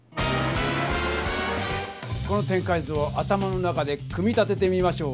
この展開図を頭の中で組み立ててみましょう。